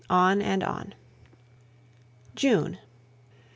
On and On JUNE.